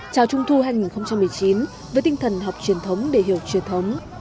chào trung thu hai nghìn một mươi chín với tinh thần học truyền thống để hiểu truyền thống